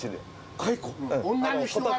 女の人方。